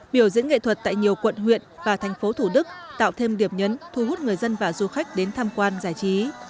biểu diễn nghệ thuật tại nhiều quận huyện và thành phố thủ đức tạo thêm điểm nhấn thu hút người dân và du khách đến tham quan giải trí